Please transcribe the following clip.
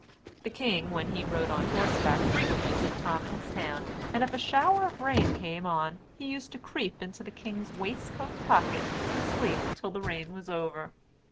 The king, when he rode on horseback, frequently took Tom in his hand; and, if a shower of rain came on, he used to creep into the king's waist coat pocket, and sleep till the rain was over.